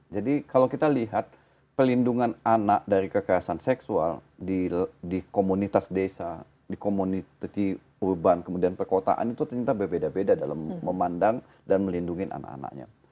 jadi kalau kita lihat pelindungan anak dari kekerasan seksual di komunitas desa di komunitas urban kemudian perkotaan itu ternyata berbeda beda dalam memandang dan melindungi anak anaknya